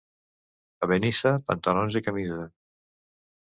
A Benissa, pantalons i camisa.